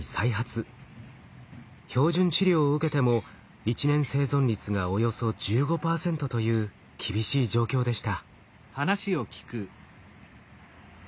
標準治療を受けても１年生存率がおよそ１５％という厳しい状況でした。